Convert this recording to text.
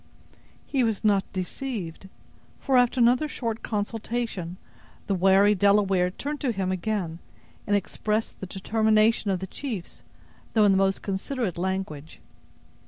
He was not deceived; for, after another short consultation, the wary Delaware turned to him again, and expressed the determination of the chiefs, though in the most considerate language.